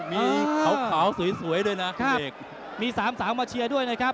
มีขาวสวยด้วยนะพี่เอกมีสามสาวมาเชียร์ด้วยนะครับ